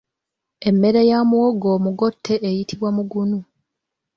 Emmere ya muwogo omugotte eyitibwa mugunu.